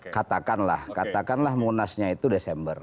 katakanlah katakanlah munasnya itu desember